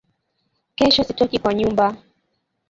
Kesho sitoki kwa nyumba